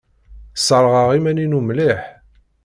Sserɣeɣ iman-inu mliḥ.